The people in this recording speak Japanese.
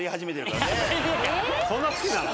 そんな好きなの？